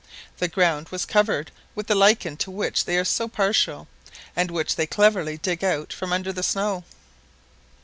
The ground was covered with the lichen to which they are so partial, and which they cleverly dig out from under the snow.